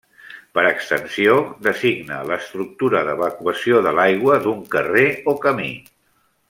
Per extensió, designa l'estructura d'evacuació de l'aigua d'un carrer o camí.